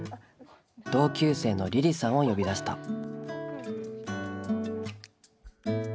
同級生の凜々さんを呼び出した。